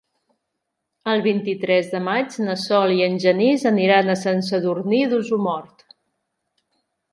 El vint-i-tres de maig na Sol i en Genís aniran a Sant Sadurní d'Osormort.